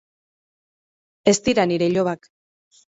Ez dira nire ilobak.